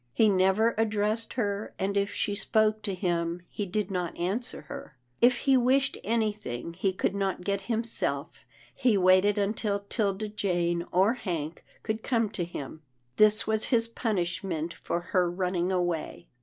He never ad dressed her, and if she spoke to him, he did not answer her. H he wished anything he could not get himself, he waited until 'Tilda Jane or Hank could 220 'TILDA JANE'S ORPHANS come to him. This was his punishment for her running away.